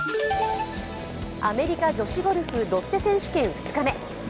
アメリカ女子ゴルフロッテ選手権２日目。